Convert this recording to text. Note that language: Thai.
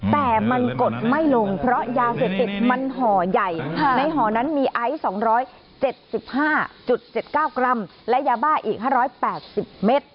แต่มันกดไม่ลงเพราะยาเสพติดมันห่อใหญ่ในห่อนั้นมีไอซ์๒๗๕๗๙กรัมและยาบ้าอีก๕๘๐เมตร